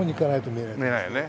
見えないよね。